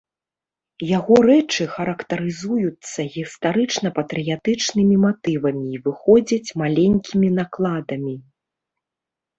Яго рэчы характарызуюцца гістарычна-патрыятычнымі матывамі і выходзяць маленькімі накладамі.